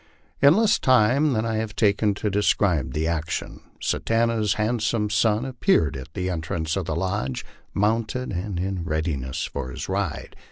In less time than I have taken to describe the action, Satanta's handsome son appeared at the entrance of the lodge, mounted and in readiness for his ride.